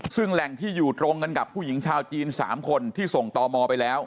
ซึ่งแหล่งที่อยู่ตรงกันกับผู้หญิงชาวจีน๓คนที่ส่งต่อมอไปแล้ว